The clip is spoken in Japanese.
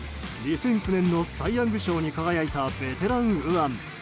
２００９年のサイ・ヤング賞に輝いたベテラン右腕。